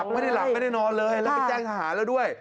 ไม่ได้หลับไม่ได้นอนเลยแล้วไปแจ้งทหารแล้วด้วย